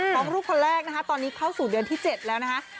ลูกคนแรกนะคะตอนนี้เข้าสู่เดือนที่๗แล้วนะคะ